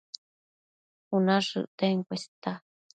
Cuna shëcten cuesta